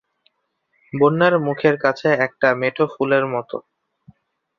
বন্যার মুখের কাছে একটা মেঠো ফুলের মতো।